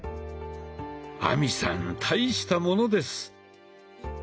亜美さん大したものです！